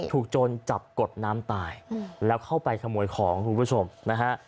โจรจับกดน้ำตายแล้วเข้าไปขโมยของคุณผู้ชมนะฮะ